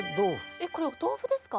えっこれお豆腐ですか？